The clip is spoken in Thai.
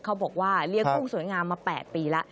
เขาบอกว่าเลี้ยงกุ้งสวยงามมา๘ปีแล้ว